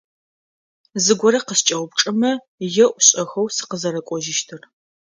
Зыгорэ къыскӏэупчӏэмэ, еӏу шӏэхэу сыкъызэрэкӏожьыщтыр.